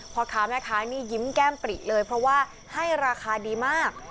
พ่อค้าแม่ค้านี่ยิ้มแก้มปริเลยเพราะว่าให้ราคาดีมาก